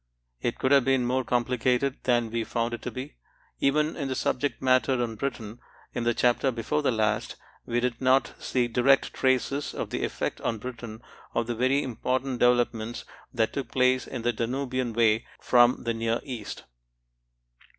It could have been more complicated than we found it to be. Even in the subject matter on Britain in the chapter before the last, we did not see direct traces of the effect on Britain of the very important developments which took place in the Danubian way from the Near East.